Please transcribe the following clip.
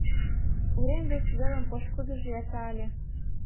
Урем вес велым пошкудыжо эрта ыле.